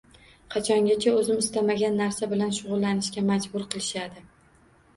Qachongacha o`zim istamagan narsa bilan shug`ullanishga majbur qilishadi